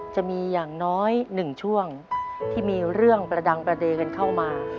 จะมีอย่างน้อย๑ช่วงที่มีเรื่องประดังประเด็นกันเข้ามา